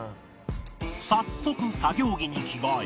早速作業着に着替え